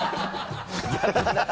ハハハ